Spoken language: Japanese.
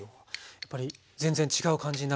やっぱり全然違う感じになるんですか？